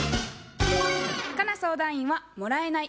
佳奈相談員は「もらえない」